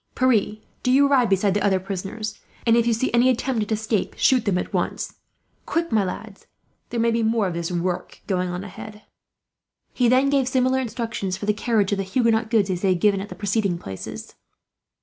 "Pierre, do you ride beside the other prisoners and, if you see any attempt at escape, shoot them at once. "Quick, my lads; there may be more of this work going on, ahead." He then gave similar instructions, for the carriage of the Huguenot goods, as he had at the preceding places.